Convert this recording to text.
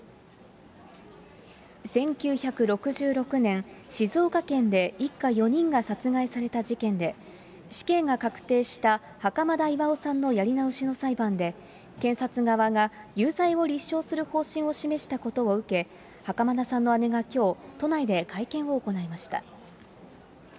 １９６６年、静岡県で一家４人が殺害された事件で、死刑が確定した袴田巌さんのやり直しの裁判で、検察側が有罪を立証する方針を示したことを受け、袴田さんの姉がきょう、都内で会見を行いました。